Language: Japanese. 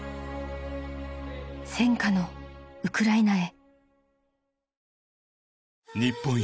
［戦火のウクライナへ］